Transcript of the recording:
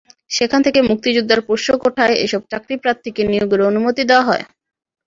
সেখান থেকে মুক্তিযোদ্ধার পোষ্য কোটায় এসব চাকরিপ্রার্থীকে নিয়োগের অনুমতি দেওয়া হয়।